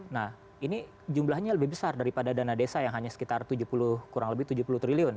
nah ini jumlahnya lebih besar daripada dana desa yang hanya sekitar kurang lebih tujuh puluh triliun